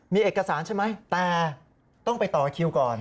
มีเอกสารใช่ไหมแต่ต้องไปต่อคิวก่อน